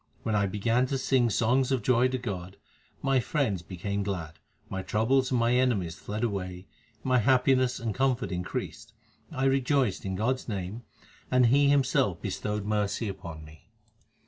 When I began to sing songs of joy to God, My friends became glad, my troubles and mine enemies fled away, My happiness and comfort increased, I rejoiced in God s name, and He Himself bestowed mercy on me.